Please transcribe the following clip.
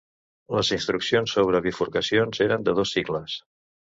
Les instruccions sobre bifurcacions eren de dos cicles.